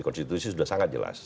konstitusi sudah sangat jelas